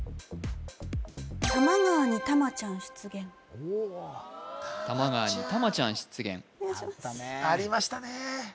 多摩川に「タマちゃん」出現ありましたね